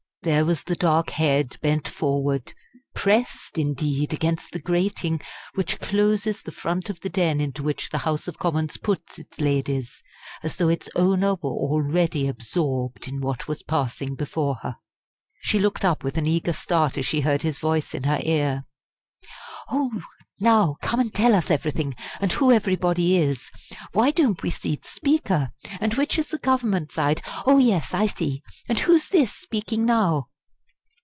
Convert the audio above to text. there was the dark head bent forward, pressed indeed against the grating which closes the front of the den into which the House of Commons puts its ladies as though its owner were already absorbed in what was passing before her. She looked up with an eager start, as she heard his voice in her ear. "Oh! now, come and tell us everything and who everybody is. Why don't we see the Speaker? and which is the Government side? oh, yes, I see. And who's this speaking now?"